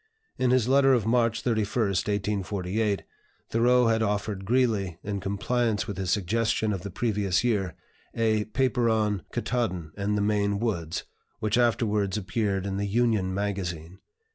In his letter of March 31, 1848, Thoreau had offered Greeley, in compliance with his suggestion of the previous year, a paper on "Ktaadn and the Maine Woods," which afterwards appeared in the "Union Magazine."